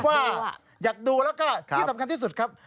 เพราะว่าอยากทำกลุ่มต่างในคนแล้วก็ที่สำคัญที่สุดครับ